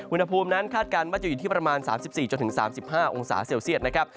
อุณหภูมินั้นคาดการณ์ว่าจะอยู่ที่ประมาณ๓๔๓๕องศาเซลเซียตนะครับ